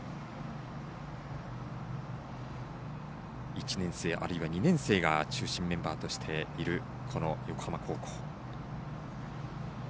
１年生、あるいは２年生が中心メンバーとしている横浜高校。